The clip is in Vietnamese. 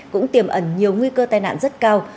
cũng tiềm ẩn nhiều nguy cơ tai nạn rất cao